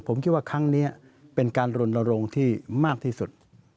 ผมคิดว่าครั้งนี้เป็นการรณรงค์ที่มากที่สุด